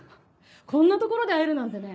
こんな所で会えるなんてね。